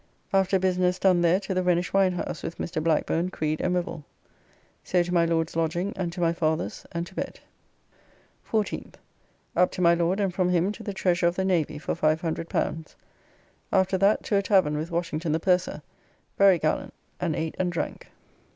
After business done there to the Rhenish wine house with Mr. Blackburne, Creed, and Wivell. So to my Lord's lodging and to my father's, and to bed. 14th. Up to my Lord and from him to the Treasurer of the Navy for L500. After that to a tavern with Washington the Purser, very gallant, and ate and drank.